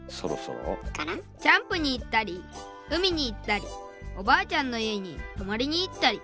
「キャンプに行ったり海に行ったりおばあちゃんの家にとまりにいったり」。